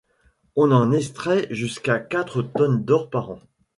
On en a extrait jusqu'à quatre tonnes d'or par an.